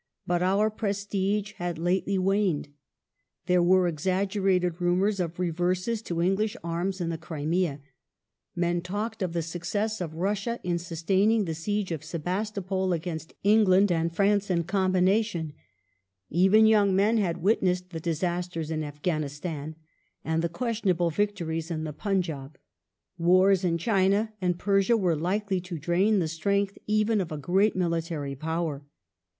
But our prestige had lately waned. There were exaggerated rumours of reverses to English arms in the Crimea ; men talked of the success of Russia in sustaining the siege of Sebastopol against England and France in combination ; even young men had witnessed the disasters in Afghanistan and the questionable victories in the Punjab ; wars in China and Persia were likely to drain the strength even of a great military Power.